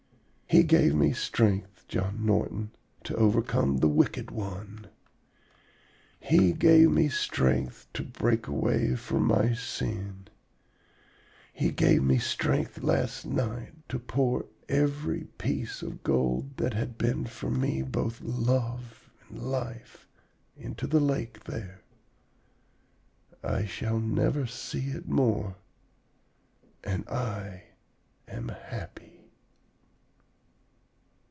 He gave me strength, John Norton, to overcome the Wicked One; He gave me strength to break away from my sin; He gave me strength last night to pour every piece of gold that had been for me both love and life, into the lake there. I shall never see it more, and I am happy.'